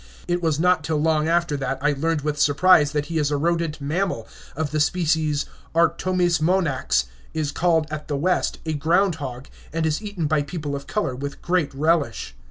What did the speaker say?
It was not till long after that I learned with surprise that he is a rodent mammal, of the species Arctomys monax, is called at the West a ground hog, and is eaten by people of color with great relish.